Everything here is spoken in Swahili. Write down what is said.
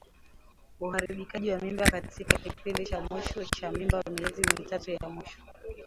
Uharibikaji wa mimba katika kipindi cha mwisho cha mimba miezi mitatu ya mwisho